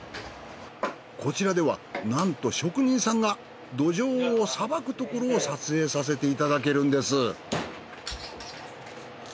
こちらではなんと職人さんがどじょうをさばくところを撮影させていただけるんです。